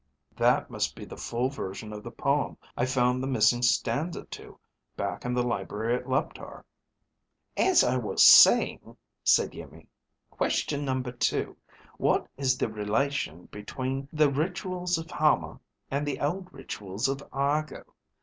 _ "That must be the full version of the poem I found the missing stanza to back in the library at Leptar." "As I was saying," said Iimmi, "Question number two: what is the relation between the rituals of Hama and the old rituals of Argo.